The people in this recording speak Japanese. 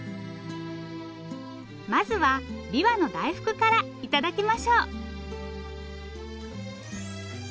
まずはびわの大福から頂きましょう。